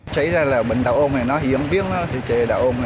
cháy ra là bệnh đạo ồn này nó hiếm biếng đó thì chế đạo ồn này